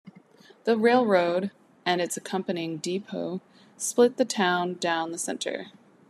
The railroad, and its accompanying depot, split the town down the center.